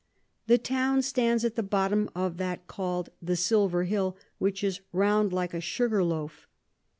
The Town stands at the bottom of that call'd the Silver Hill, which is round like a Sugar Loaf.